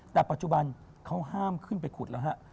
แต่ปัจจุบันเขาห้ามขึ้นไปขุดแล้วฮะ